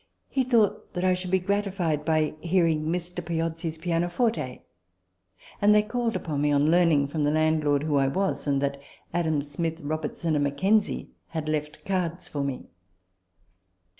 He thought that I should be gratified by " hearing Mr. Piozzi's pianoforte ": and they called upon me, on learning from the landlord who I was, and that Adam Smith, Robertson, and Mackenzie had left cards for me.